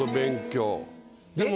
でも。